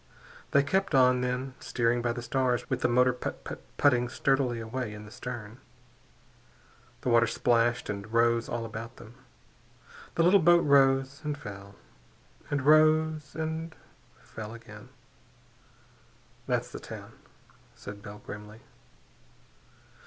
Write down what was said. They kept on, then, steering by the stars with the motor putt putt putting sturdily away in the stern. The water splashed and washed all about them. The little boat rose, and fell, and rose and fell again. "That's the town," said Bell grimly.